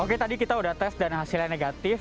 oke tadi kita sudah tes dan hasilnya negatif